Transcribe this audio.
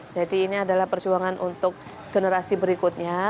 jadi ini adalah persuangan untuk generasi berikutnya